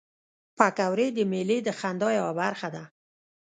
پکورې د میلې د خندا یوه برخه ده